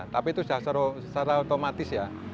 tapi itu sudah secara otomatis ya